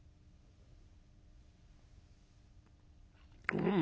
「うん。